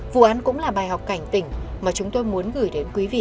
vụ án cũng là bài học cảnh tỉnh mà chúng tôi muốn gửi đến quý vị